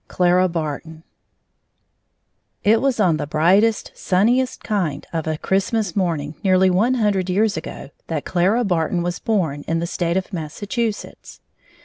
CLARA BARTON It was on the brightest, sunniest kind of a Christmas morning, nearly one hundred years ago, that Clara Barton was born, in the State of Massachusetts.